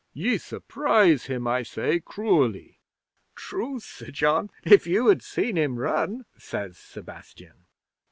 Ye surprise him, I say, cruelly." '"Truth, Sir John. If you had seen him run!" says Sebastian.